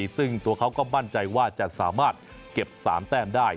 ซึ่งตัวเขาก็มั่นใจว่าจะสามารถเก็บ๓แต้มได้